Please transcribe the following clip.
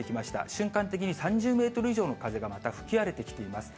瞬間的に３０メートル以上の風がまた吹き荒れてきています。